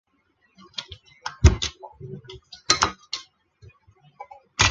棉毛黄耆是豆科黄芪属的植物。